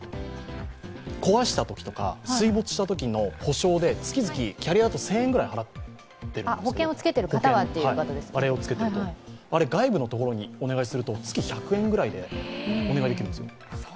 壊したときとか水没したときの補償で月々キャリアだと１０００円ずつ払ってるでしょう、あれ、外部のところにお願いすると月１００円ぐらいでお願いできる。